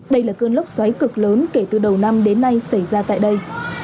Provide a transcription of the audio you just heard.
đây là cơn lốc xoáy cực lớn kể từ đầu năm đến nay xảy ra tại đây